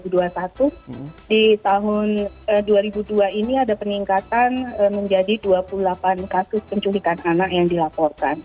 di tahun dua ribu dua ini ada peningkatan menjadi dua puluh delapan kasus penculikan anak yang dilaporkan